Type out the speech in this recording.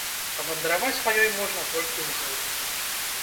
Вандраваць па ёй можна толькі ўглыб.